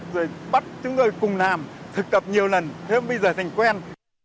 rồi bắt chúng tôi cùng làm thực tập nhiều lần thêm bây giờ thành quen